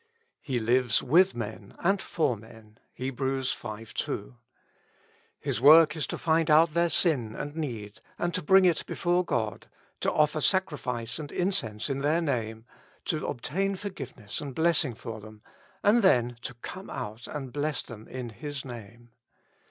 He lives with men and for men (Heb. v. 2). His work is to find out their sin and need, and to bring it before God, to offer sacrifice and incense in their name, to obtain forgiveness and blessing for them, and then to come out and bless them in His Name.